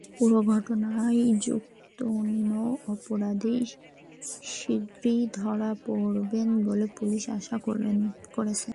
পুরো ঘটনায় যুক্ত অন্য অপরাধীরা শিগগিরই ধরা পড়বেন বলে পুলিশ আশা করছে।